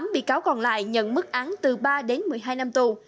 tám bị cáo còn lại nhận mức án từ ba đến một mươi hai năm tù